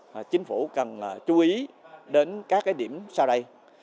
và chính phủ cần chú ý đến các cái điểm sau đây